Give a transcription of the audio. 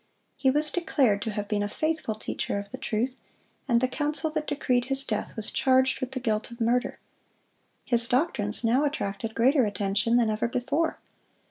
He was declared to have been a faithful teacher of the truth, and the council that decreed his death was charged with the guilt of murder. His doctrines now attracted greater attention than ever before.